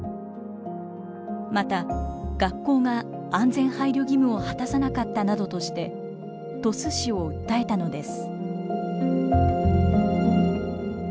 また学校が安全配慮義務を果たさなかったなどとして鳥栖市を訴えたのです。